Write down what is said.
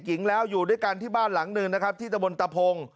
หญิงแล้วอยู่ด้วยกันที่บ้านหลังหนึ่งนะครับที่ตะบนตะพง